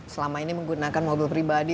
selama ini menggunakan mobil pribadi